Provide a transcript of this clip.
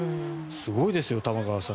すごいですよ、玉川さん。